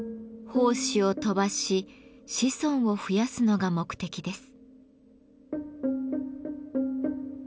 胞子を飛ばし子孫を増やすのが目的です。